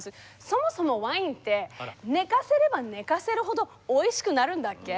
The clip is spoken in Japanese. そもそもワインって寝かせれば寝かせるほどおいしくなるんだっけ？